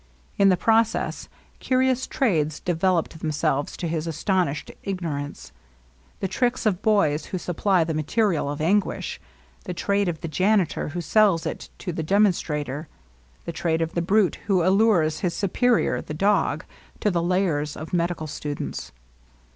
In the process, curious trades developed themselves to his astonished ignorance : the tricks of boys who supply the material of anguish; the trade of the janitor who sells it to the demonstrator ; the trade of the brute who allures his superior, the dog, to the lairs of medical students.